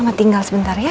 mama tinggal sebentar ya